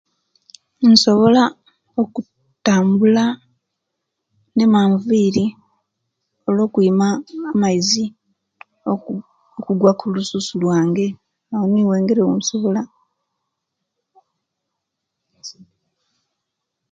Nsobola okutambula nemanvuiri olwo kwima amaizi oku okugwa kulususu lwange awo nibwo engeri eyensobola